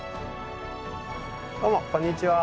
どうもこんにちは。